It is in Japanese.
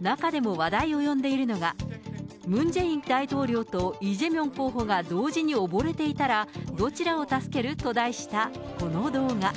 中でも話題を呼んでいるのが、ムン・ジェイン大統領とイ・ジェミョン候補が同時に溺れていたら、どちらを助ける？と題したこの動画。